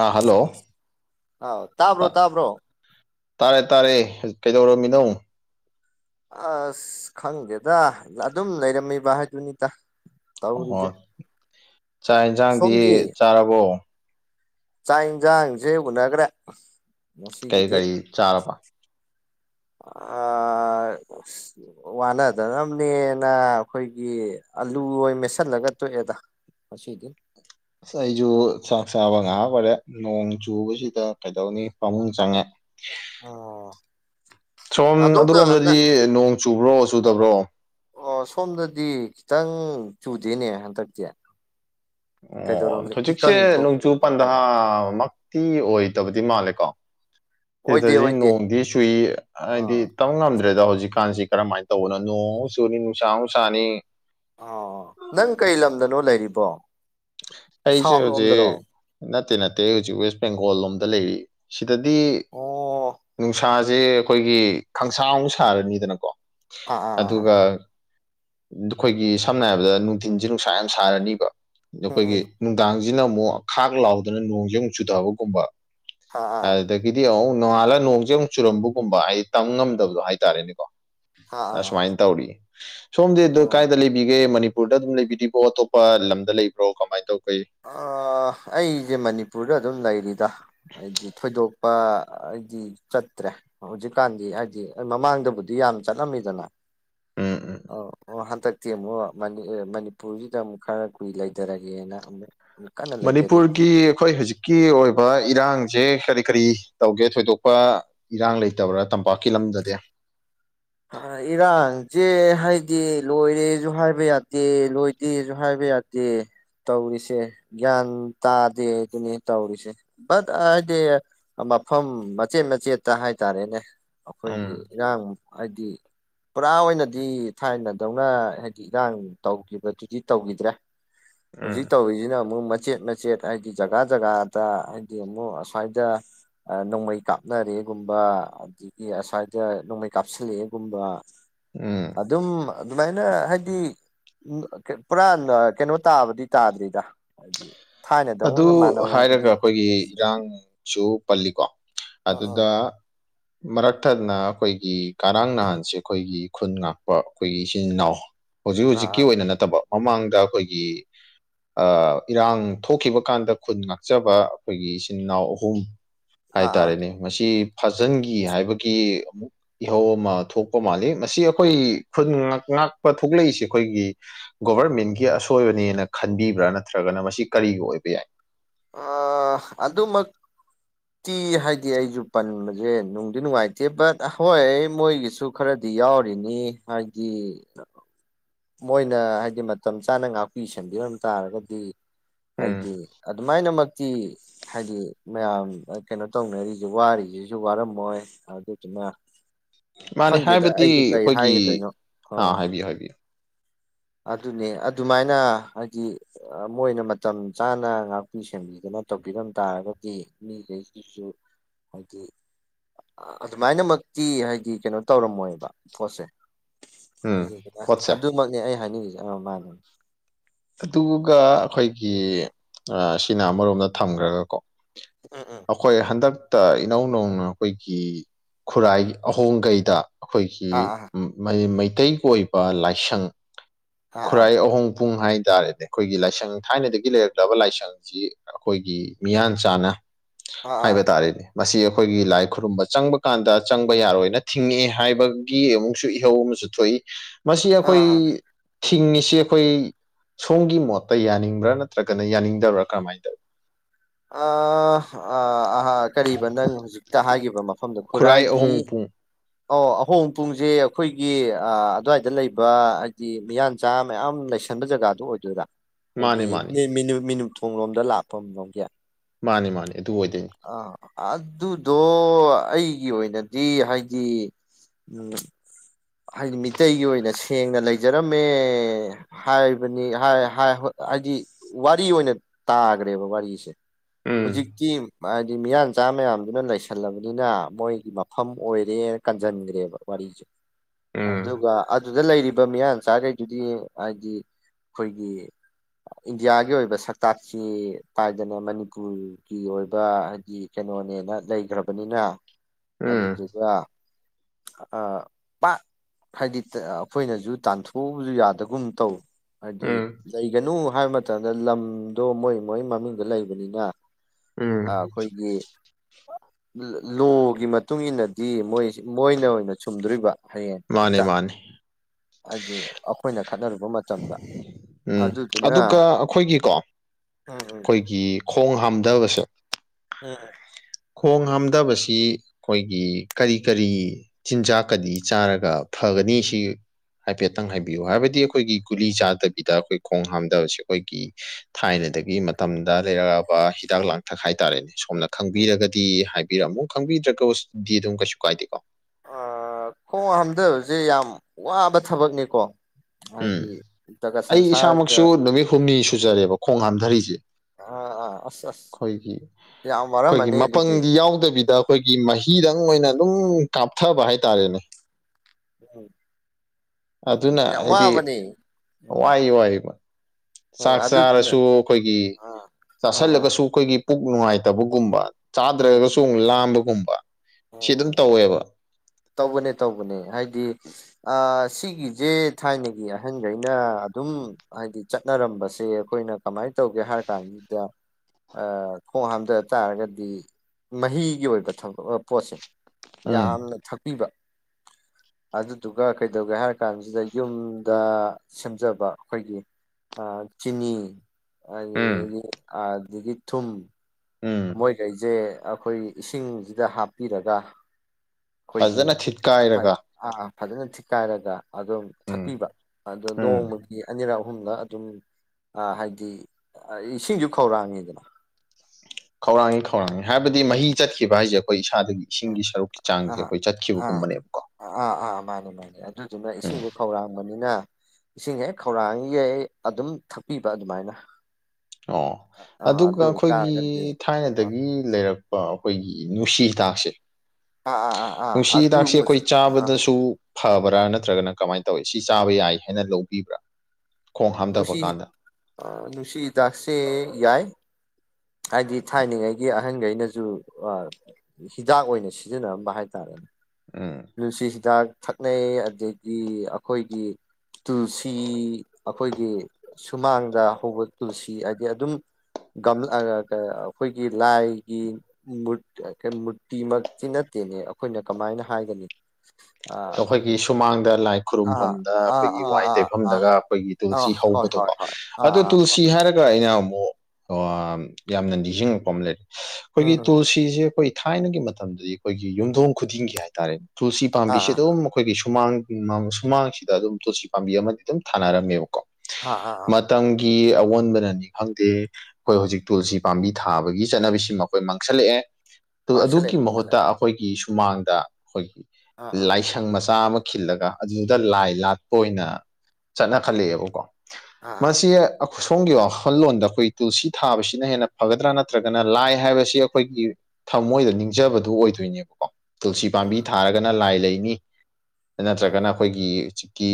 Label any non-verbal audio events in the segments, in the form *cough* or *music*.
ꯑꯥ hello ꯑꯥꯎ ꯇꯥꯕ꯭ꯔꯣ ꯇꯥ ꯇꯥꯕ꯭ꯔꯣ ꯇꯥꯔꯦ ꯇꯥꯔꯦ ꯀꯩꯗꯧꯔꯝꯃꯤꯅꯣ ꯑꯁ ꯈꯪꯗꯦꯗ ꯑꯗꯨꯝ ꯂꯩꯔꯝꯃꯤꯕ ꯍꯥꯏꯗꯨꯅꯤꯗ ꯇꯧꯔꯤꯁꯦ ꯑꯣ ꯆꯥꯛ ꯌꯦꯟꯁꯥꯡꯗꯤ ꯁꯣꯝꯗꯤ ꯆꯥꯔꯕꯣ ꯆꯥꯛ ꯌꯦꯟꯁꯥꯡꯁꯦ ꯎꯅꯒ꯭ꯔꯦ ꯀꯔꯤ ꯀꯔꯤ ꯆꯥꯔꯕ ꯑꯥ ꯋꯥꯅꯗꯅꯝꯅꯦꯅ ꯑꯈꯣꯏꯒꯤ ꯑꯂꯨ ꯑꯣꯏꯅ ꯃꯦꯠꯁꯤꯜꯂꯒ ꯇꯣꯛꯑꯦꯗ ꯉꯁꯤꯗꯤ ꯑꯩꯁꯨ ꯆꯥꯛ ꯆꯥꯕ ꯉꯥꯍꯥꯛ ꯑꯣꯏꯔꯦ ꯅꯣꯡ ꯆꯨꯕꯁꯤꯗ ꯀꯩꯗꯧꯅꯤ ꯐꯃꯨꯡ ꯆꯪꯉꯦ ꯑꯣ ꯁꯣꯝ ꯑꯗꯨꯔꯣꯝꯗꯗꯤ ꯅꯣꯡ ꯆꯨꯕ꯭ꯔꯣ ꯆꯨꯗꯕ꯭ꯔꯣ ꯑꯣ ꯁꯣꯝꯗꯗꯤ ꯈꯤꯇꯪ ꯆꯨꯗꯦꯅꯦ ꯍꯟꯗꯛꯇꯤ ꯑꯣ ꯀꯩꯗꯧꯔꯝꯅꯤ ꯍꯧꯖꯤꯛꯁꯦ ꯏꯀꯪ ꯅꯣꯡꯖꯨ ꯊꯣꯛꯇꯣꯔꯤꯕ꯭ꯔꯥ ꯄꯟꯊꯥ ꯀꯔꯤꯅꯣ ꯃꯛꯇꯤ ꯑꯣꯏ ꯇꯕꯗꯤ ꯃꯥꯜꯂꯦ ꯀꯣ ꯑꯣꯏꯗꯦ ꯁꯤꯗꯗꯤ ꯑꯣꯏꯗꯦ ꯅꯣꯡꯗꯤ ꯆꯨꯏ ꯍꯥꯏꯗꯤ ꯑꯥ ꯇꯝ ꯉꯝꯗ꯭ꯔꯦꯗ ꯍꯧꯖꯤꯛ ꯍꯧꯖꯤꯛꯀꯥꯟꯁꯤ ꯀꯔꯝꯃꯥꯏ ꯇꯧꯕꯅꯣ ꯅꯣꯡ ꯑꯃꯨꯛ ꯆꯨꯅꯤ ꯅꯨꯡꯁꯥ ꯑꯃꯨꯛ ꯁꯥꯅꯤ ꯑꯣ ꯅꯪ ꯀꯩ ꯂꯝꯗꯅꯣ ꯂꯩꯔꯤ ꯕꯣ ꯑꯩꯁꯦ ꯍꯧꯖꯤꯛ ꯅꯠ ꯇꯦ ꯅꯠꯇꯦ ꯑꯩ ꯍꯧꯖꯤꯛ ꯋꯦꯁ ꯕꯦꯡꯒꯣꯜ ꯂꯣꯝꯗ ꯂꯩꯔꯤ ꯁꯤꯗꯗꯤ ꯑꯣ ꯅꯨꯡꯁꯥ ꯁꯥꯁꯦ ꯑꯩꯈꯣꯏꯒꯤ ꯈꯪꯁꯥꯡ ꯑꯃꯨꯛ ꯁꯥꯔꯅꯤꯗꯅꯀꯣ ꯑꯥ ꯑꯗꯨꯒ ꯑꯩꯈꯣꯏꯒꯤ ꯁꯝꯅ ꯍꯥꯏꯔꯕꯗ ꯅꯨꯡꯊꯤꯟꯁꯦ ꯅꯨꯡꯁꯥ ꯌꯥꯝ ꯁꯥꯔꯅꯤꯕ ꯑꯗꯨ ꯑꯩꯈꯣꯏꯒꯤ ꯅꯨꯡꯗꯥꯡ ꯁꯤꯅ ꯑꯃꯨꯛ ꯈꯥꯛ ꯂꯥꯎꯗꯅ ꯅꯣꯡꯖꯤ ꯑꯃꯨꯛ ꯆꯨꯗꯕꯒꯨꯝꯕ ꯑꯥ ꯑꯥ ꯎꯝ ꯎꯝ ꯑꯥ ꯑꯥ ꯑꯗꯒꯤꯗꯤ ꯑ ꯅꯣꯡꯉꯥꯜꯂ ꯅꯣꯡꯖꯦ ꯑꯃꯨꯛ ꯆꯨꯔꯝꯕꯒꯨꯝꯕ ꯍꯥꯏꯗꯤ ꯇꯝ ꯉꯝꯗꯕꯗꯣ ꯍꯥꯏꯇꯥꯔꯦꯅꯦꯀꯣ ꯑꯥ ꯑ ꯑꯥ ꯁꯃꯥꯏ ꯇꯧꯔꯤ ꯁꯣꯝꯗꯤ ꯑꯗꯨ ꯑꯣ ꯀꯥꯏꯗ ꯂꯩꯕꯤꯒꯦ ꯃꯅꯤꯄꯨ ꯃꯅꯤꯄꯨꯔꯗ ꯑꯗꯨꯝ ꯂꯩꯕꯤꯔꯤꯕꯣ ꯑꯇꯣꯞꯄ ꯂꯝꯗ ꯂꯩ ꯔꯣ ꯀꯃꯥꯏ ꯇꯧ ꯑꯥ ꯑꯩꯁꯦ ꯃꯅꯤꯄꯨꯔ ꯑꯗꯨꯝ ꯂꯩ ꯗ ꯍꯥꯏꯗꯤ ꯊꯣꯏꯗꯣꯛ ꯄ ꯍꯥꯏꯗꯤ ꯆꯠꯇ꯭ꯔꯦ ꯍꯧꯖꯤꯛꯀꯥꯟꯗꯤ ꯍꯥꯏꯗꯤ ꯃꯃꯥꯡꯗꯕꯨꯗꯤ ꯌꯥꯝ ꯆꯠꯂꯝꯃꯤꯗꯅ ꯎꯝ ꯎꯝ ꯑꯣ ꯑꯣ ꯍꯟ ꯍꯥꯛꯇꯛꯇꯤ ꯑꯃꯨꯛ ꯃꯅꯤ ꯑꯦ ꯃꯅꯤꯄꯨꯔꯁꯤꯗ ꯑꯃꯨꯛ ꯈꯔ ꯀꯨꯏ ꯂꯩꯊꯔꯒꯦꯅ ꯑꯃꯨꯛ ꯀꯟꯅ ꯂꯩꯊꯔꯤ ꯃꯅꯤꯄꯨꯔꯒꯤ ꯑꯩꯈꯣꯏ ꯍꯧꯖꯤꯛꯀꯤ ꯑꯣꯏꯕ ꯏꯔꯥꯡꯖꯦ ꯀꯔꯤ ꯀꯔꯤ ꯇꯧꯒꯦ ꯊꯣꯏꯗꯣꯛꯄ ꯏꯔꯥꯡ ꯂꯩꯇꯕ꯭ꯔꯥ ꯇꯝꯄꯥꯛꯀꯤ ꯂꯝꯗꯗꯤ ꯏꯔꯥꯡꯖꯦ ꯍꯥꯏꯗꯤ ꯂꯣꯏꯔꯦꯁꯨ ꯍꯥꯏꯕ ꯌꯥꯗꯦ ꯂꯣꯏꯗꯦꯁꯨ ꯍꯥꯏꯕ ꯌꯥꯗꯦ ꯇꯧꯔꯤꯁꯦ ꯒ꯭ꯌꯥꯟ ꯇꯥꯗꯦ ꯑꯗꯨꯅꯤ ꯇꯧꯔꯤꯁꯦ ꯕꯠ ꯍꯥꯏꯗꯤ ꯃꯐꯝ ꯃꯆꯦꯠ ꯃꯆꯦꯠꯇ ꯍꯥꯏꯇꯥꯔꯦꯅꯦ ꯎꯝ ꯑꯩꯈꯣꯏꯒꯤ ꯏꯔꯥꯡ ꯍꯥꯏꯗꯤ ꯄꯨꯔꯥ ꯑꯣꯏꯅꯗꯤ ꯊꯥꯏꯅꯗꯧꯅ ꯍꯥꯏꯗꯤ ꯏꯔꯥꯡ ꯇꯧꯈꯤꯕꯗꯨꯗꯤ ꯇꯧꯈꯤꯗ꯭ꯔꯦ ꯎꯝ ꯍꯧꯖꯤꯛ ꯇꯧꯔꯤꯁꯤꯅ ꯑꯃꯨꯛ ꯃ ꯃꯆꯦꯠ ꯃꯆꯦꯠ ꯍꯥꯏꯗꯤ ꯖꯒꯥ ꯖꯒꯥꯗ ꯍꯥꯏꯗꯤ ꯑꯃꯨꯛ ꯑꯁ꯭ꯋꯥꯏꯗ ꯅꯣꯡꯃꯩ ꯀꯥꯞꯅꯔꯦꯒꯨꯝꯕ ꯑꯗꯒꯤ ꯑꯁ꯭ꯋꯥꯏꯗ ꯅꯣꯡꯃꯩ ꯀꯥꯞꯁꯤꯜꯂꯦꯒꯨꯝꯕ ꯎꯝ ꯑꯗꯨꯝ ꯑꯗꯨꯃꯥꯏꯅ ꯍꯥꯏꯗꯤ ꯄꯨꯔꯥ ꯀꯩꯅꯣ ꯇꯥꯕꯗꯤ ꯇꯥꯗ꯭ꯔꯤꯗ ꯍꯥꯏꯗꯤ ꯑꯗꯨ ꯊꯥꯏꯅꯗꯧꯅꯒ ꯃꯥꯟꯅꯧ ꯍꯥꯏꯔꯒ ꯍꯥꯏꯕꯗꯤ ꯑꯩꯈꯣꯏꯒꯤ ꯏꯔꯥꯡꯁꯨ ꯄꯜꯂꯤꯀꯣ ꯑꯥ ꯑꯥ ꯑꯗꯨꯗ ꯃꯔꯛꯊꯠꯅ ꯑꯩꯈꯣꯏꯒꯤ ꯀꯔꯥꯡ ꯅꯍꯥꯟꯁꯦ ꯑꯩꯈꯣꯏꯒꯤ ꯈꯨꯟ ꯉꯥꯛꯄ ꯑꯩꯈꯣꯏꯒꯤ ꯏꯆꯤꯟ ꯏꯅꯥꯎ ꯍꯧꯖꯤꯛ ꯍꯧꯖꯤꯛꯀꯤ ꯑꯥ ꯑꯣꯏꯅ ꯅꯠꯇꯕ ꯃꯃꯥꯡꯗ ꯑꯩꯈꯣꯏꯒꯤ ꯏꯔꯥꯡ ꯊꯣꯛꯈꯤꯕ ꯀꯥꯟꯗ ꯈꯨꯟ ꯉꯥꯛꯆꯕ ꯑꯩꯈꯣꯏꯒꯤ ꯏꯆꯤꯟ ꯏꯅꯥꯎ ꯑꯍꯨꯝ ꯑꯥ ꯑꯥ ꯑꯥ ꯍꯥꯏꯇꯥꯔꯦꯅꯦ ꯉꯁꯤ ꯐꯖꯤꯟꯈꯤ ꯍꯥꯏꯕꯒꯤ ꯑꯃꯨꯛ ꯏꯍꯧ ꯑꯃ ꯊꯣꯛꯄ ꯃꯥꯜꯂꯤ ꯃꯁꯤ ꯑꯩꯈꯣꯏ ꯈꯨꯟ ꯉꯥꯛꯄ ꯊꯣꯛꯂꯛꯏꯁꯦ ꯑꯩꯈꯣꯏꯒꯤ ꯒꯣꯕꯔꯃꯦꯟꯒꯤ ꯑꯁꯣꯏꯕꯅꯦꯅ ꯈꯟꯕꯤꯕ꯭ꯔꯥꯅ ꯅꯠꯇ꯭ꯔꯒꯅ ꯃꯁꯤ ꯀꯔꯤꯒꯤ ꯑꯣꯏꯕ ꯌꯥꯏ ꯑꯗꯨꯃꯛꯇꯤ ꯍꯥꯏꯗꯤ ꯑꯩꯁꯨ ꯄꯟꯕꯁꯦ ꯅꯨꯡꯗꯤ ꯅꯨꯡꯉꯥꯏꯇꯦ ꯕꯠ ꯍꯣꯏ ꯃꯣꯏꯒꯤꯁꯨ ꯈꯔꯗꯤ ꯌꯥꯎꯔꯤꯅꯤ ꯍꯥꯏꯗꯤ ꯃꯣꯏꯅ ꯍꯥꯏꯗꯤ ꯃꯇꯝ ꯆꯥꯅ ꯉꯥꯛꯄꯤ ꯁꯟꯕꯤꯔꯝ ꯇꯥꯔꯒꯗꯤ ꯎꯝ ꯍꯥꯏꯗꯤ ꯑꯗꯨꯃꯥꯏꯅꯃꯛꯇꯤ ꯍꯥꯏꯗꯤ ꯃꯌꯥꯝ ꯀꯩꯅꯣ ꯇꯧꯅꯔꯤꯁꯦ ꯋꯥꯔꯤꯔꯤꯁꯤꯁꯨ ꯋꯥꯔꯝꯃꯣꯏ ꯑꯗꯨꯗꯨꯅ ꯃꯥꯅꯦ ꯈꯪꯗꯦꯗ ꯍꯥꯏꯕꯗꯤ ꯑꯩꯁꯨ ꯀꯔꯤ ꯑꯩꯈꯣꯏꯒꯤ ꯍꯥꯏꯒꯗꯣꯏꯅꯣ ꯑꯥ ꯍꯥꯏꯕꯤꯌꯨ ꯍꯥꯏꯕꯤꯌꯨ ꯑꯗꯨꯅꯦ ꯑꯗꯨꯃꯥꯏꯅ ꯍꯥꯏꯗꯤ ꯃꯣꯏꯅ ꯃꯇꯝ ꯆꯥꯅ ꯉꯥꯛ ꯉꯥꯛꯄꯤ ꯁ ꯁꯦꯝꯕꯤꯗꯅ ꯇꯧꯕꯤꯔꯝ ꯇꯥꯔꯒꯗꯤ ꯃꯤꯈꯩꯁꯤꯁꯨ ꯍꯥꯏꯗꯤ ꯑꯗꯨꯃꯥꯏꯅꯃꯛꯇꯤ ꯍꯥꯏꯗꯤ ꯀꯩꯅꯣ ꯇꯧꯔꯝꯃꯣꯏꯕ ꯄꯣꯠꯁꯦ ꯎꯝ ꯑꯗꯨ ꯄꯣꯠꯁꯦ ꯑꯗꯨꯃꯛꯅꯦ ꯑꯩ ꯍꯥꯏꯅꯤꯡꯉꯁꯤꯦ ꯑ ꯃꯥꯅꯦ ꯑꯗꯨꯒ ꯑꯩꯈꯣꯏꯒꯤ ꯁꯤꯅ ꯑꯃꯔꯣꯝꯗ ꯊꯝꯈ꯭ꯔꯒꯀꯣ ꯎꯝ ꯎꯝ ꯑꯩꯈꯣꯏ ꯍꯟꯗꯛ ꯇ ꯏꯅꯧ ꯅꯧꯅ ꯑꯩꯈꯣꯏꯒꯤ ꯈꯨꯔꯥꯏꯒꯤ ꯑꯍꯣꯡꯒꯩꯗ ꯑꯩꯈꯣꯏꯒꯤꯩ ꯑꯥ ꯑꯥ ꯃꯤꯇꯩꯩꯇꯩꯒꯤ ꯑꯣꯏꯕ ꯂꯥꯏꯁꯪ ꯑꯥ ꯈꯨꯔꯥꯏ ꯑꯍꯣꯡ ꯄꯨꯡ ꯍꯥꯏ ꯍꯥꯏꯇꯥꯔꯦꯅꯦ ꯑꯩꯈꯣꯏꯒꯤ ꯂꯥꯏꯁꯪ ꯊꯥꯏꯅꯗꯒꯤ ꯂꯩꯔꯛꯇꯕ ꯂꯥꯏꯁꯪꯁꯤ ꯑꯩꯈꯣꯏꯒꯤ ꯃꯤꯌꯥꯟ ꯆꯥꯅ ꯑꯥ ꯍꯥꯏꯕ ꯇꯥꯔꯦꯗꯤ ꯃꯁꯤ ꯑꯩꯈꯣꯏꯒꯤ ꯂꯥꯏ ꯈꯨꯔꯨꯝꯕ ꯆꯪꯕ ꯀꯥꯟꯗ ꯆꯪꯕ ꯌꯥꯔꯣꯏꯅ ꯊꯤꯡꯉꯛꯑꯦ ꯍꯥꯏꯕꯒꯤ ꯑꯃꯨꯛꯁꯨ ꯏꯍꯧ ꯑꯃꯁꯨ ꯊꯣꯛꯏ ꯃꯁꯤ ꯑꯩꯈꯣꯏ ꯑꯥ ꯊꯤꯡꯉꯤꯁꯤ ꯑꯩꯈꯣꯏ ꯁꯣꯝꯒꯤ ꯃꯣꯠꯇ ꯌꯥꯅꯤꯡꯕ꯭ꯔꯥ ꯅꯠꯇ꯭ꯔꯒꯅ ꯌꯥꯅꯤꯡꯗꯕ꯭ꯔꯥ ꯀꯔꯝꯍꯥꯏꯅ ꯇꯧꯋꯏ ꯀ ꯅꯪ ꯍꯧꯖꯤ ꯍꯥꯏ ꯈꯨꯔꯥꯏ ꯑꯍꯣꯡ ꯄꯨꯡ ꯑꯣ ꯑꯍꯣꯡ ꯄꯨꯡꯁꯦ ꯑꯩꯈꯣꯏꯒꯤ ꯑꯗꯨꯋꯥꯏꯗ ꯂꯩꯕ ꯍꯥꯏꯗꯤ ꯃꯤꯌꯥꯟꯆꯥ ꯃꯌꯥꯝ ꯂꯩꯁꯟꯕ ꯖꯒꯥꯗꯨꯣ ꯑꯣꯏꯗꯣꯏꯔꯥ ꯃꯥꯅꯦ ꯃꯥꯅꯦ ꯍꯥꯏ ꯃ ꯊꯨꯡꯂꯣꯝꯗ ꯂꯥꯛꯄ ꯑꯃ ꯂꯧꯝꯒꯤꯦ ꯃꯥꯅꯦ ꯃꯥꯅꯦ ꯑꯗꯨ ꯑꯣꯏꯗꯣꯏꯅꯤ ꯑꯗꯨꯗꯣ ꯑꯩꯒꯤ ꯑꯣꯏꯅꯗꯤ ꯍꯥꯏꯗꯤ ꯎꯝ ꯍꯥꯏꯗꯤ ꯃꯤꯇꯩꯒꯤ ꯑꯣꯏꯅꯁꯦ ꯁꯦꯡꯅ ꯂꯩꯖꯔꯝꯃꯦ ꯍꯥꯏꯕꯅꯤ ꯍꯥꯏꯗꯤ ꯋꯥꯔꯤ ꯑꯣꯏꯅ ꯇꯥꯈ꯭ꯔꯦꯕ ꯋꯥꯔꯤꯁꯦ ꯎꯝ ꯍꯧꯖꯤꯛꯀꯤ ꯍꯥꯏꯗꯤ ꯃꯤꯌꯥꯟꯆꯥ ꯃꯌꯥꯝꯗꯨꯅ ꯂꯩꯁꯜꯂꯕꯅꯤꯅ ꯃꯣꯏꯒꯤ ꯃꯐꯝ ꯑꯣꯏꯔꯦꯅ ꯀꯟꯁꯤꯟꯈ꯭ꯔꯦꯕ ꯋꯥꯔꯤꯁꯦ ꯎꯝ ꯑꯗꯨꯒ ꯑꯗꯨꯗꯂ ꯕ ꯃꯤꯌꯥꯟ ꯆꯥꯈꯩꯗꯨꯗꯤ ꯍꯥꯏꯗꯤ ꯑꯩꯈꯣꯏꯒꯤ ꯏꯟꯗꯤꯌꯥꯒꯤ ꯑꯣꯏꯕ ꯁꯛꯇꯥꯛꯁꯤ ꯄꯥꯏꯗꯅ ꯃꯅꯤꯄꯨꯔꯒꯤ ꯑꯣꯏꯕ ꯍꯥꯏꯗꯤ ꯀꯩꯅꯣꯅꯦꯅ ꯂꯩꯈ꯭ꯔꯕꯅꯤꯅ ꯑꯗꯨ ꯎꯝ ꯀꯦ ꯑꯥ ꯄꯥꯛ ꯍꯥꯏꯗꯤ ꯑꯩꯈꯣꯏꯅꯁꯨ ꯇꯥꯟꯊꯣꯛꯎꯕꯁꯨ ꯌꯥꯗꯒꯨꯝ ꯇꯧ ꯍꯥꯏꯗꯤ ꯎꯝ ꯂꯩꯒꯅꯨ ꯍꯥꯏꯕ ꯃꯇꯝꯗ ꯂꯝꯗꯣ ꯃꯣꯏ ꯃꯣꯏ ꯃꯃꯤꯡꯗ ꯂꯩꯕꯅꯤꯅ ꯑꯥ ꯎꯝ ꯑꯩꯈꯣꯏꯒꯤ ꯂꯣꯒꯤ ꯃꯇꯨꯡ ꯏꯟꯅꯗꯤ ꯃꯣꯏ ꯃꯣꯏꯅ ꯑꯣꯏꯅ ꯆꯨꯝꯗꯣꯔꯤꯕ ꯍꯌꯦꯡ ꯃꯥꯅꯦ ꯍꯦꯛꯇ ꯃꯥꯅꯦ ꯍꯥꯏꯗꯤ ꯑꯩꯈꯣꯏꯅ ꯈꯠꯅꯔꯨꯕ ꯃꯇꯝꯗ ꯎꯝ ꯑꯗꯨꯗꯨꯅ ꯑꯗꯨꯒ ꯑꯩꯈꯣꯏꯒꯤꯀꯣ ꯎꯝ ꯎꯝ ꯑꯩꯈꯣꯏꯒꯤ ꯈꯣꯡ ꯍꯥꯝꯊꯕꯁꯦ ꯎꯝ ꯎꯝ ꯈꯣꯡ ꯍꯥꯝꯊꯕꯁꯤ ꯑꯩꯈꯣꯏꯒꯤ ꯀꯔꯤ ꯀꯔꯤ ꯆꯤꯟꯖꯥꯛꯀꯗꯤ ꯆꯥꯔꯒ ꯐꯒꯅꯤ ꯁꯤ ꯍꯥꯏꯐꯦꯠꯇꯪ ꯍꯥꯏꯕꯤꯌꯨ ꯍꯥꯏꯕꯗꯤ ꯑꯩꯈꯣꯏꯒꯤ ꯒꯨꯂꯤ ꯆꯥꯗꯕꯤꯗ ꯑꯩꯈꯣꯏ ꯈꯣꯡ ꯍꯥꯝꯊꯕꯁꯤ ꯑꯩꯈꯣꯏꯒꯤ ꯊꯥꯏꯅꯗꯒꯤ ꯃꯇꯝꯗ ꯂꯩꯔꯛꯑꯕ ꯍꯤꯗꯥꯛ ꯂꯥꯡꯊꯛ ꯍꯥꯏꯇꯥꯔꯦꯅꯦ ꯁꯣꯝꯅ ꯈꯪ ꯎꯝ ꯕꯤꯔꯒꯗꯤ ꯍꯥꯏ ꯔꯝꯃꯣ ꯈꯪꯕꯤꯗ꯭ꯔꯒꯗꯤ ꯑꯗꯨꯝ ꯀꯩꯁꯨ ꯀꯥꯏꯗꯦꯀꯣ ꯑ ꯈꯣꯡ ꯍꯥꯝꯊꯕꯁꯦ ꯌꯥꯝ ꯋꯥꯕ ꯊꯕꯛꯅꯤꯀꯣ ꯎꯝ ꯍꯥꯏꯗꯤ ꯖꯒꯠ ꯑꯩ ꯁꯡꯁꯥꯔꯁꯤꯗ ꯏꯁꯥꯃꯛꯁꯨ ꯅꯨꯃꯤꯠ ꯍꯨꯝꯅꯤ ꯁꯨꯖꯔꯦꯕ ꯈꯣꯡ ꯍꯥꯝꯊꯔꯤꯁꯦ ꯑꯥ ꯑꯁ ꯑꯁ ꯑꯩꯈꯣꯏꯒꯤ ꯌꯥꯝ ꯑꯩꯈꯣꯏꯒꯤ ꯋꯥꯔꯝꯃꯅꯤ ꯑꯗꯨꯗꯤ ꯃꯄꯪꯗꯤ ꯌꯥꯎꯗꯕꯤꯗ ꯑꯩꯈꯣꯏꯒꯤ ꯃꯍꯤꯗꯪ ꯑꯣꯏꯅ ꯑꯗꯨꯝ ꯀꯥꯞꯊꯕ ꯍꯥꯏꯇꯥꯔꯦꯅꯦ ꯎꯝ ꯎꯝ ꯎꯝ ꯑꯗꯨꯅ ꯌꯥꯝ ꯍꯥꯏꯗꯤ ꯋꯥꯕꯅꯦ ꯎꯝ ꯋꯥꯏ ꯋꯥꯏꯕ ꯎꯝ ꯆꯥꯛ ꯑꯗꯨꯗꯨꯅ ꯆꯥꯔꯁꯨ ꯑꯩꯈꯣꯏꯒꯤ ꯑꯥ ꯑꯥ ꯆꯥꯁꯜꯂꯒꯁꯨ ꯑꯩꯈꯣꯏꯒꯤ ꯄꯨꯛ ꯅꯨꯡꯉꯥꯏꯇꯕꯒꯨꯝꯕ ꯎꯝ ꯆꯥꯗ꯭ꯔꯒꯁꯨ ꯂꯥꯥꯝꯕꯒꯨꯝ ꯁꯤ ꯑꯗꯨꯝ ꯎꯝ ꯇꯧꯋꯦꯕ ꯇꯧꯕꯅꯦ ꯇꯧꯕꯅꯦ ꯍꯥꯏꯗꯤ ꯑ ꯁꯤꯒꯤꯁꯦ ꯊꯥꯏꯅꯒꯤ ꯑꯍꯟꯒꯩꯅ ꯑꯗꯨꯝ ꯍꯥꯏꯗꯤ ꯆꯠꯅꯔꯝꯕꯁꯦ ꯑꯩꯈꯣꯏꯅ ꯀꯃꯥꯏꯅ ꯇꯧꯒꯦ ꯍꯥꯏꯔ ꯀꯥꯟꯁꯤꯗ ꯈꯣꯡ ꯍꯥꯝꯊ ꯇꯥꯔꯒꯗꯤ ꯃꯍꯤꯒꯤ ꯑꯣꯏꯕ ꯊꯕꯛ ꯄꯣꯠꯁꯦ ꯎꯝ ꯌꯥꯝꯅ ꯊꯛ ꯄꯤꯕ ꯑꯗꯨꯗꯨꯒ ꯀꯩꯗꯧꯒꯦ ꯍꯥꯏꯔ ꯀꯥꯟꯁꯤꯗ ꯌꯨꯝꯗ ꯁꯦꯝꯖꯕ ꯑꯩꯈꯣꯏꯒꯤ ꯑ ꯆꯤꯅꯤ ꯎꯝ ꯍꯥꯏꯗꯤ ꯑ ꯑꯗꯨꯗꯒꯤ ꯊꯨꯝ ꯎꯝ ꯃꯣꯏꯒꯩꯁꯦ ꯑꯩꯈꯣꯏ ꯏꯁꯤꯡꯁꯤꯗ ꯍꯥꯞꯄꯤꯔꯒ ꯑꯩꯈꯣꯏꯒꯤ ꯐꯖꯅ ꯊꯤꯠꯀꯥꯏꯔꯒ ꯑꯥ ꯐꯖꯅ ꯊꯤꯠ ꯀꯥꯏꯔꯒ ꯑꯗꯨꯝ ꯎꯝ ꯊꯛꯄꯤꯕ ꯑꯣ ꯎꯝ ꯅꯣꯡꯃꯒꯤ ꯑꯅꯤꯔꯥꯎ ꯑꯍꯨꯝꯗꯥ ꯑꯗꯨꯝ ꯍꯥꯏꯕꯗꯤ ꯏꯁꯤꯡꯁꯨ ꯈꯧꯔꯥꯡꯉꯤꯗꯅꯥ ꯈꯧꯔꯥꯡꯏ ꯈꯧꯔꯥꯡꯏ ꯍꯥꯏꯕꯗꯤ ꯃꯍꯤ ꯆꯠꯈꯤꯕ ꯍꯥꯏꯁꯦꯣ ꯏꯁꯥꯗꯒꯤ ꯏꯁꯤꯡꯒꯤ ꯁꯔꯨꯛꯀꯤ ꯆꯥꯡꯁꯦ ꯑꯥ ꯑꯩꯈꯣꯏ ꯑꯥ ꯆꯠꯈꯤꯕꯒꯨꯝꯕꯅꯦꯕꯀꯣ ꯑꯥ ꯑꯥ ꯃꯥꯅꯤ ꯃꯥꯅꯤ ꯎꯝ ꯏꯁꯤꯡꯍꯦꯛ ꯈꯧꯔꯥꯡꯌꯦꯩ ꯑꯗꯨꯝ ꯊꯛꯄꯤꯕ ꯑꯗꯨꯃꯥꯏꯅ ꯑꯣ ꯑꯥ ꯑꯗꯨꯒ ꯑꯗꯨ ꯑꯩꯈꯣꯏꯒꯤ ꯑꯣꯏꯇꯥꯔꯒꯗꯤ ꯑꯥ ꯊꯥꯏꯅꯗꯒꯤ ꯂꯩꯔꯛ ꯑꯩꯈꯣꯏꯒꯤ ꯅꯨꯡꯁꯤ ꯍꯤꯗꯥꯛꯁꯦ ꯑꯥ ꯑꯥ ꯑꯥ ꯑꯥ ꯅꯨꯡꯁꯤ ꯍꯤꯗꯥꯛꯁꯦ ꯑꯩꯈꯣꯏ ꯑꯗꯨꯒꯨꯝꯕꯁꯦ ꯑꯥ ꯆꯥꯕꯗꯁꯨ ꯐꯕ꯭ꯔꯥ ꯅꯠꯇ꯭ꯔꯒꯅ ꯀꯃꯥꯏꯅ ꯇꯧꯏꯤ ꯁꯤ ꯆꯥꯕ ꯌꯥꯏ ꯍꯥꯏꯅ ꯂꯧꯕꯤꯕ꯭ꯔꯥ ꯈꯣꯡ ꯍꯥꯝꯊꯕ ꯅꯨꯡꯁꯤ ꯀꯥꯟꯗ ꯑ ꯅꯨꯡꯁꯤꯗꯥꯁꯦ ꯌꯥꯏ ꯍꯥꯏꯗꯤ ꯊꯥꯏꯅꯉꯩꯒꯤ ꯑꯍꯟꯈꯩꯅꯁꯨ ꯍꯤꯗꯥꯛ ꯑꯣꯏꯅ ꯁꯤꯖꯤꯟꯅꯔꯝꯕ ꯍꯥꯏꯇꯥꯔꯦꯅꯦ ꯎꯝ ꯅꯨꯡꯁꯤ ꯍꯤꯗꯥꯛ ꯊꯛꯅꯩ ꯑꯗꯒꯤ ꯑꯩꯈꯣꯏꯒꯤ ꯇꯨꯜꯁꯤ ꯑꯩꯈꯣꯏꯒꯤ ꯁꯨꯃꯥꯡꯗꯥ ꯍꯧꯕ ꯇꯨꯜꯁꯤ ꯍꯥꯏꯗꯤ ꯑꯗꯨꯝ ꯑꯩꯈꯣꯏꯒꯤ ꯂꯥꯏꯒꯤ ꯃꯨꯔꯇꯤꯃꯛꯇꯤ ꯅꯠꯇꯦꯅꯦ ꯑꯩꯈꯣꯏꯅ ꯀꯃꯥꯏꯅ ꯍꯥꯏꯒꯅꯤ ꯑꯥ ꯑꯩꯈꯣꯏꯒꯤ ꯁꯨꯃꯥꯡꯗ ꯂꯥꯏ ꯑꯥ ꯈꯨꯔꯨꯝꯐꯝꯗ ꯑꯥ ꯑꯩꯈꯣꯏꯒꯤ ꯑꯥ ꯋꯥꯏ ꯑꯥ ꯑꯥ ꯇꯩꯐꯝꯗꯒ ꯑꯩꯈꯣꯏꯒꯤ ꯑꯥ ꯇꯨꯜꯁꯤ ꯍꯣꯏ ꯍꯣꯏ ꯍꯧꯕꯗꯣꯀꯣ ꯍꯣꯏ ꯑꯗꯣ ꯑꯥ ꯍꯣꯏ ꯇꯨꯜꯁꯤ ꯍꯥꯏꯔꯒ ꯑꯩꯅ ꯑꯃꯨꯛ ꯑ ꯌꯥꯝꯅꯗꯤꯁꯤꯡꯅ ꯄꯣꯝꯂꯦꯠ ꯑꯩꯈꯣꯏꯒꯤ ꯎꯝ ꯎꯝ ꯇꯨꯜꯁꯤꯁꯦ ꯑꯩꯈꯣꯏ ꯊꯥꯏꯅꯒꯤ ꯃꯇꯝꯗꯗꯤ ꯑꯩꯈꯣꯏꯒꯤ ꯌꯨꯝꯊꯣꯡ ꯈꯨꯗꯤꯡꯒꯤ ꯍꯥꯏꯇꯥꯔꯦꯅꯦ ꯇꯨꯜꯁꯤ ꯑꯥ ꯄꯥꯝꯕꯤꯁꯦ ꯑꯥ ꯑꯩꯈꯣꯏꯒꯤ ꯁꯨꯃꯥꯡ ꯁꯨꯃꯥꯡꯁꯤꯗ ꯑꯗꯨꯝ ꯇꯨꯜꯁꯤ ꯄꯥꯝꯕꯤ ꯑꯃꯗꯤ ꯑꯗꯨꯝ ꯊꯥꯅꯔꯝꯃꯦꯕꯀꯣ ꯑꯥ ꯑꯥ ꯑꯥ ꯒꯤ ꯑꯑꯣꯟꯕꯅꯅꯤ ꯈꯪꯗꯦ ꯑꯩꯈꯣꯏ ꯍꯧꯖꯤꯛ ꯇꯨꯜꯁꯤ ꯄꯥꯝꯕꯤ ꯊꯥꯕꯒꯤ ꯆꯠꯅꯕꯤꯁꯤꯃ ꯑꯩꯈꯣꯏ ꯃꯥꯡꯁꯜꯂꯛꯑꯦ ꯃꯥꯡꯁꯜꯂꯦ ꯑꯗꯨꯒꯤ ꯃꯥꯡꯁꯜꯂꯦ ꯃꯍꯨꯠꯇꯥ ꯑꯩꯈꯣꯏꯒꯤ ꯁꯨꯃꯥꯡꯗ ꯑꯩꯈꯣꯏꯒꯤ ꯑꯥ ꯑꯥ *inaudible* ꯂꯥꯏꯁꯪ ꯃꯆꯥ ꯆꯥ ꯑꯃ ꯈꯤꯜꯂꯒ ꯑꯗꯨꯗ ꯂꯥꯏ ꯂꯥꯠꯄ ꯑꯣꯏꯅ ꯆꯠꯅꯈꯠꯂꯛꯑꯦꯕꯀꯣ ꯃꯁꯤ ꯑꯥ ꯁꯣꯝꯒꯤ ꯋꯥꯈꯜꯂꯣꯟꯗ ꯑꯩꯈꯣꯏ ꯇꯨꯜꯁꯤ ꯊꯥꯕꯁꯤꯅ ꯍꯦꯟꯅ ꯐꯒꯗ꯭ꯔꯥ ꯅꯠꯇ꯭ꯔꯒꯅ ꯂꯥꯏ ꯍꯥꯏꯕꯁꯤ ꯑꯩꯈꯣꯏꯒꯤ ꯊꯃꯣꯏꯗ ꯅꯤꯡꯖꯕꯗꯨ ꯑꯣꯏꯗꯣꯏꯅꯦꯕꯀꯣ ꯇꯨꯜꯁꯤ ꯎꯝ ꯄꯥꯝꯕꯤ ꯊꯥꯔꯒꯅ ꯂꯥꯏ ꯂꯩꯅꯤ ꯎꯝ ꯎꯝ ꯅꯠꯇ꯭ꯔꯒꯅ ꯎꯝ ꯑꯩꯈꯣꯏꯒꯤ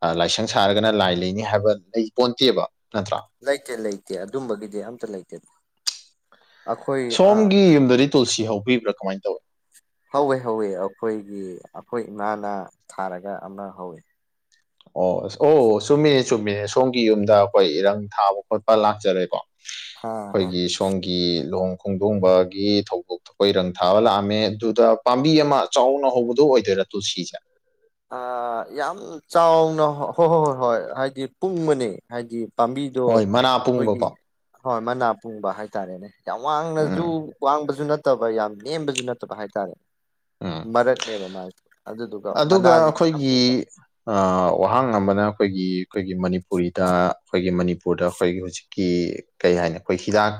ꯀ ꯂꯥꯏꯁꯪ ꯁꯥꯔꯒꯅ ꯂꯥꯏ ꯂꯩꯅꯤ ꯍꯥꯏꯕ ꯑꯩ ꯀꯣꯟꯇꯦꯕ ꯂꯩꯇꯦ ꯂꯩꯇꯦ ꯑꯗꯨꯝꯕꯒꯤꯗꯤ ꯑꯝꯇ ꯂꯩꯇꯦ ꯑꯩꯈꯣꯏ ꯑꯥ ꯁꯣꯝꯒꯤ ꯌꯨꯝꯗꯗꯤ ꯇꯨꯜꯁꯤ ꯍꯧꯕ ꯀꯃꯥꯏꯅ ꯇ ꯍꯧꯋꯦ ꯍꯧꯋꯏ ꯑꯩꯈꯣꯏꯒꯤ ꯑꯩꯈꯣꯏ ꯏꯃꯥꯅ ꯊꯥꯔꯒ ꯑꯃ ꯍꯧꯋꯏ ꯑꯣ ꯑꯁ ꯑꯣ ꯆꯨꯝꯃꯤꯅꯦ ꯆꯨꯝꯃꯤꯅꯦ ꯁꯣꯝꯒꯤ ꯌꯨꯝꯗ ꯑꯩꯈꯣꯏ ꯏꯔꯪ ꯊꯥꯕ ꯈꯣꯠꯄ ꯂꯥꯛꯆꯔꯦꯀꯣ ꯑꯥ ꯑꯥ ꯑꯩꯈꯣꯏꯒꯤ ꯁꯣꯝꯒꯤ ꯂꯍ ꯈꯣꯡꯗꯣꯡꯕꯒꯤ ꯊꯧꯗꯣꯛ ꯑꯩꯈꯣꯏ ꯏꯔꯪ ꯊꯥꯕ ꯂꯥꯛꯑꯝꯃꯦ ꯑꯗꯨꯗ ꯄꯥꯝꯕꯤ ꯑꯃ ꯆꯥꯎꯅ ꯍꯧꯕꯗ ꯑꯣꯏꯗꯣꯏꯔ ꯇꯨꯜꯁꯤꯖ ꯌꯥꯝ ꯆꯥꯎꯅ ꯍꯣꯏ ꯍꯣꯏ ꯍꯣꯏ ꯍꯣꯏ ꯍꯥꯏꯗꯤ ꯄꯨꯡꯕꯅꯤ ꯍꯥꯏꯗꯤ ꯄꯥꯝꯕꯤꯗꯣ ꯍꯣꯏ ꯃꯅꯥ ꯑꯩꯈꯣꯏꯒꯤ ꯄꯨꯡꯕꯀꯣ ꯍꯣꯏ ꯃꯅꯥ ꯄꯨꯡꯕ ꯍꯥꯏꯇꯥꯔꯦꯅꯦ ꯌꯥꯝ ꯋꯥꯡꯅꯁꯨ ꯎꯝ ꯋꯥꯡꯕꯁꯨ ꯅꯠꯇꯦ ꯅꯠꯇꯕ ꯌꯥꯝ ꯅꯦꯝꯕꯁꯨ ꯅꯠꯇꯕ ꯍꯥꯏꯇꯥꯔꯦ ꯎꯝ ꯃꯔꯗꯅꯦꯕ ꯃꯥꯔ ꯑꯗꯨꯗꯨ ꯑꯗꯨꯒ ꯑꯩꯈꯣꯏꯒꯤ ꯋꯥꯍꯪ ꯑꯃꯅ ꯑꯩꯈꯣꯏꯒꯤ ꯑꯩꯈꯣꯏꯒꯤ ꯃꯅꯤꯄꯨꯔꯤꯗ ꯑꯩꯈꯣꯏꯒꯤ ꯃꯅꯤꯄꯨꯔꯗ ꯑꯩꯈꯣꯏꯒꯤ ꯍꯧꯖꯤꯛꯀꯤ ꯀꯩ ꯍꯥꯏꯅꯤ ꯑꯩꯈꯣꯏ ꯍꯤꯗꯥꯛ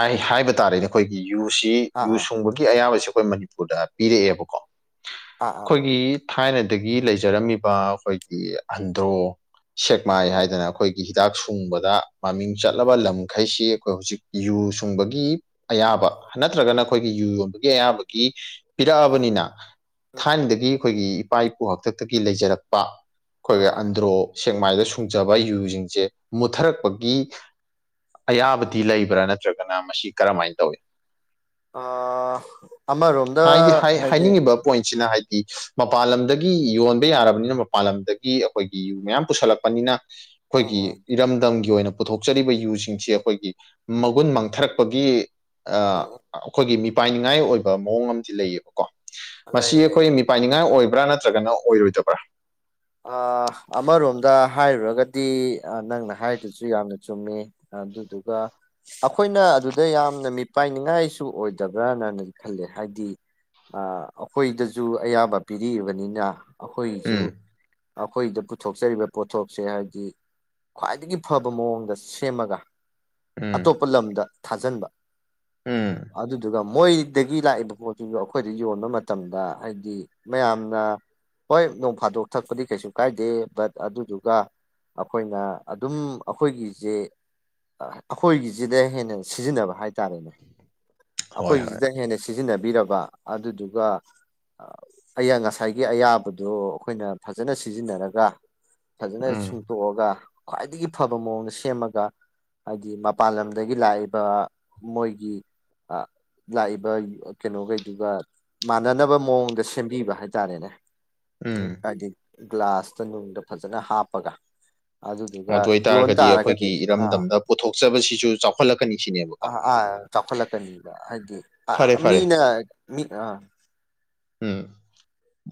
ꯍꯥꯏ ꯍꯥꯏꯕ ꯇꯥꯔꯦꯅꯦ ꯑꯩꯈꯣꯏꯒꯤ ꯌꯨꯁꯤ ꯑꯥ ꯌꯨ ꯑꯥ ꯁꯨꯡꯕꯒꯤ ꯑꯌꯥꯕꯁꯤ ꯑꯩꯈꯣꯏ ꯃꯅꯤꯄꯨꯔꯗ ꯄꯤꯔꯛꯑꯦꯕꯀꯣ ꯑꯥ ꯑꯩꯈꯣꯏꯒꯤ ꯊꯥꯏꯅꯗꯒꯤ ꯂꯩꯖꯔꯝꯃꯤꯕ ꯑꯩꯈꯣꯏꯒꯤ ꯑꯟꯗ꯭ꯔꯣ ꯁꯦꯛꯃꯥꯏ ꯑꯥ ꯍꯥꯏꯗꯅ ꯑꯩꯈꯣꯏ ꯍꯤꯗꯥꯛ ꯁꯨꯡꯕꯗ ꯃꯃꯤꯡ ꯆꯠꯂꯕ ꯂꯝꯈꯩꯁꯤ ꯑꯩꯈꯣꯏ ꯍꯧꯖꯤꯛ ꯌꯨ ꯁꯨꯡꯕꯒꯤ ꯑꯌꯥꯕ ꯅꯠꯇ꯭ꯔꯒꯅ ꯑꯩꯈꯣꯏꯒꯤ ꯌꯨ ꯌꯣꯟꯕꯒꯤ ꯑꯌꯥꯕꯒꯤ ꯄꯤꯔꯛꯑꯕꯅꯤꯅ ꯊꯥꯏꯅꯗꯒꯤ ꯑꯩꯈꯣꯏꯒꯤ ꯏꯄꯥ ꯏꯄꯨ ꯍꯥꯛꯇꯛꯇꯒꯤ ꯂꯩꯖꯔꯛꯄ ꯑꯩꯈꯣꯏꯒꯤ ꯑꯥ ꯑꯟꯗ꯭ꯔꯣ ꯁꯦꯛꯃꯥꯏꯗ ꯁꯨꯡꯖꯕ ꯌꯨꯁꯤꯡꯁꯦ ꯃꯨꯠꯊꯔꯛꯄꯒꯤ ꯑꯌꯥꯕꯗꯤ ꯂꯩꯕ꯭ꯔꯥ ꯅꯠꯇ꯭ꯔꯒꯅ ꯃꯁꯤ ꯀꯔꯝꯃꯥꯏꯅ ꯇꯧꯏ ꯑ ꯑꯃꯔꯣꯝꯗ ꯍꯥꯏꯗꯤ ꯁꯤꯅ ꯍꯥꯏꯗꯤ ꯃꯄꯥꯟ ꯂꯝꯗꯒꯤ ꯌꯣꯟꯕ ꯌꯥꯔꯕꯅꯤꯅ ꯃꯄꯥꯟ ꯂꯝꯗꯒꯤ ꯑꯩꯈꯣꯏꯒꯤ ꯌꯨ ꯃꯌꯥꯝ ꯄꯨꯁꯜꯂꯛꯄꯅꯤꯅ ꯑꯩꯈꯣꯏꯒꯤ ꯎꯝ ꯏꯔꯝꯗꯝꯒꯤ ꯒꯤ ꯑꯣꯏꯅ ꯄꯨꯊꯣꯛꯆꯔꯤꯕ ꯌꯨꯁꯤꯡꯁꯤ ꯑꯩꯈꯣꯏꯒꯤ ꯃꯒꯨꯟ ꯃꯥꯡꯊꯔꯛꯄꯒꯤ ꯎꯝ ꯑꯩꯈꯣꯏꯒꯤ ꯃꯤ ꯄꯥꯏꯅꯤꯡꯉꯥꯏ ꯑꯣꯏꯕ ꯃꯑꯣꯡ ꯑꯃꯗꯤ ꯂꯩꯌꯦꯕꯀꯣ ꯎꯝ ꯃꯁꯤ ꯂꯩ ꯂꯩ ꯑꯩꯈꯣꯏ ꯃꯤꯄꯥꯏꯅꯤꯡꯉꯥꯏ ꯑꯣꯏꯕ ꯕ꯭ꯔꯥ ꯅꯠꯇ꯭ꯔꯒꯅ ꯑꯣꯏꯔꯣꯏꯗꯕ꯭ꯔꯥ ꯑ ꯑꯃꯔꯣꯝꯗ ꯍꯥꯏꯔꯨꯔꯒꯗꯤ ꯅꯪꯅ ꯍꯥꯏꯔꯤꯗꯨꯁꯨ ꯌꯥꯝꯅ ꯆꯨꯝꯃꯤ ꯑꯗꯨꯗꯨꯒ ꯑꯩꯈꯣꯏꯅ ꯑꯗꯨꯗ ꯌꯥꯝꯅ ꯃꯤ ꯃꯤꯄꯥꯏꯅꯤꯡꯉꯥꯏꯁꯨ ꯑꯣꯏꯗꯕ꯭ꯔꯅꯗꯤ ꯈꯜꯂꯤ ꯍꯥꯏꯗꯤ ꯑꯈꯣꯏꯗꯁꯨ ꯑꯌꯥꯕ ꯄꯤꯔꯛꯏꯕꯅꯤꯅ ꯑꯈꯣꯏꯒꯤꯖꯨ ꯎꯝ ꯑꯩꯈꯣꯏꯗ ꯄꯨꯊꯣꯛꯆꯔꯤꯕ ꯄꯣꯠꯊꯣꯛꯁꯦ ꯍꯥꯏꯕꯗꯤ ꯈ꯭ꯋꯥꯏꯗꯒꯤ ꯐꯕ ꯃꯑꯣꯡꯗ ꯁꯦꯝꯃꯒ ꯎꯝ ꯑꯇꯣꯞꯄ ꯂꯝꯗ ꯊꯥꯖꯟꯕ ꯎꯝ ꯑꯗꯨꯗꯨꯒ ꯑꯃꯨ ꯃꯣꯏꯗꯒꯤ ꯂꯥꯛꯏꯕ ꯄꯣꯠꯇꯁꯤꯡꯨꯁꯨ ꯑꯩꯈꯣꯏꯗ ꯌꯣꯟꯕ ꯃꯇꯝꯗ ꯍꯥꯏꯗꯤ ꯃꯌꯥꯝꯅ ꯍꯣꯏ ꯅꯣꯡ ꯐꯥꯗꯣꯛ ꯊꯛꯄꯗꯤ ꯀꯩꯁꯨ ꯀꯥꯏꯗꯦ ꯕꯠ ꯑꯗꯨꯗꯨꯒ ꯑꯩꯈꯣꯏꯅ ꯑꯗꯨꯝ ꯑꯩꯈꯣꯏꯒꯤꯁꯦ ꯑꯩꯈꯣꯏꯒꯤꯁꯤꯗ ꯍꯦꯟꯅ ꯁꯤꯖꯤꯟꯅꯕ ꯍꯥꯏꯔ ꯆꯥꯔꯦꯅꯦ ꯍꯣꯏ ꯍꯣꯏ ꯑꯩꯈꯣꯏꯒꯤꯁꯤꯗ ꯍꯦꯟꯅ ꯁꯤ ꯁꯤꯖꯤꯟꯅꯕꯤꯔꯕ ꯑꯗꯨꯗꯨꯒ ꯑ ꯉꯁꯥꯏꯒꯤ ꯑꯌꯥꯕꯗꯣ ꯑꯩꯈꯣꯏꯅ ꯐꯖꯅ ꯁꯤꯖꯤꯟꯅꯔꯒ ꯐꯖꯅ ꯎꯝ ꯁꯨꯡꯇꯣꯛꯑꯒ ꯈ꯭ꯋꯥꯏꯗꯒꯤ ꯐꯕ ꯃꯑꯣꯡꯗ ꯁꯦꯝꯃꯒ ꯍꯥꯏꯗꯤ ꯃꯄꯥꯟ ꯂꯝꯗꯒꯤ ꯂꯥꯛꯏꯕ ꯃꯣꯏꯒꯤ ꯂꯥꯛꯏꯕ ꯀꯩꯅꯣꯒꯩꯗꯨꯒ ꯃꯥꯟꯅꯅꯕ ꯃꯑꯣꯡꯗ ꯁꯦꯝꯕꯤꯕ ꯍꯥꯏꯇꯥꯔꯦꯅꯦ ꯎꯝ ꯍꯥꯏꯗꯤ ꯒ꯭ꯂꯥꯁꯇ ꯅꯨꯡꯗ ꯐꯖꯅ ꯍꯥꯞꯄꯒ ꯑꯗꯨꯗꯨꯒ ꯑꯗꯨ ꯌꯣꯟ ꯑꯣꯏꯇꯥꯔꯒꯗꯤ ꯑꯩꯈꯣꯏꯒꯤ ꯇꯥꯔꯒꯗꯤꯅꯦ ꯑꯥ ꯏꯔꯝꯗꯝꯗ ꯄꯨꯊꯣꯛꯆꯕꯁꯤꯁꯨ ꯆꯥꯎꯈꯠꯂꯛꯀꯅꯤ ꯑ ꯁꯤꯅꯦꯕꯀꯣ ꯑꯥ ꯆꯥꯎꯈꯠꯂꯛꯀꯅꯤꯕ ꯍꯥꯏꯗꯤ ꯐꯔꯦ ꯐꯔꯦ ꯃꯤꯅ ꯃꯤ ꯑꯥ ꯎꯝ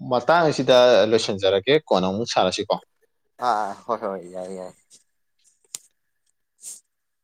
ꯃꯇꯥꯡ ꯑꯁꯤꯗ ꯂꯣꯏꯁꯤꯟꯖꯔꯒꯦ ꯀꯣꯟ ꯑꯃꯨꯛ ꯁꯥꯔꯁꯤꯀꯣ ꯑꯥ ꯑꯥ ꯍꯣꯏ ꯍꯣꯏ ꯌꯥꯏ ꯌꯥꯏ *inaudible*